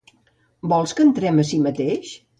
—Vols que entrem ací mateix?